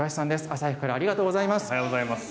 朝早くからありがとうございます。